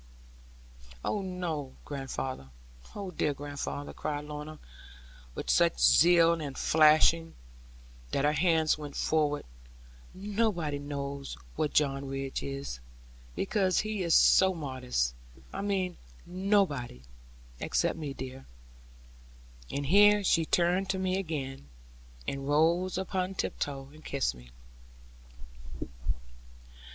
'Oh, no, grandfather; oh, dear grandfather,' cried Lorna, with such zeal and flashing, that her hands went forward; 'nobody knows what John Ridd is, because he is so modest. I mean, nobody except me, dear.' And here she turned to me again, and rose upon tiptoe, and kissed me.